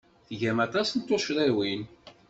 Tgam aṭas n tuccḍiwin.